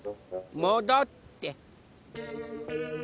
もどって。